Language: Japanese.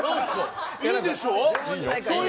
いいでしょう？